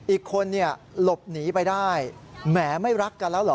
อีกคนเนี่ยหลบหนีไปได้แหมไม่รักกันแล้วเหรอ